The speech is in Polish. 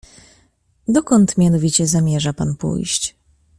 "Dokąd mianowicie zamierza pan pójść?"